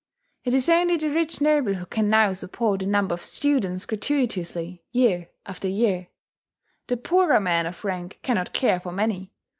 It is only the rich noble who can now support a number of students gratuitously, year after year; the poorer men of rank cannot care for many.